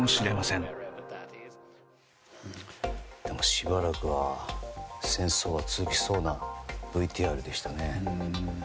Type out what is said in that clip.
しばらくは戦争が続きそうなＶＴＲでしたね。